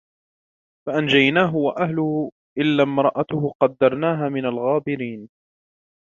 فَأَنْجَيْنَاهُ وَأَهْلَهُ إِلَّا امْرَأَتَهُ قَدَّرْنَاهَا مِنَ الْغَابِرِينَ